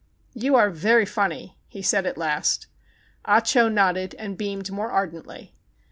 "You are very funny," he said at last. Ah Cho nodded and beamed more ardently.